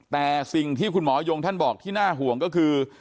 แต่สิ่งที่คุณหมอยงท่านบอกที่น่าห่วงก็คือ